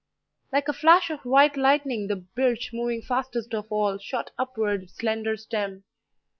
Like a flash of white lightning the birch, moving fastest of all, shot upward its slender stem.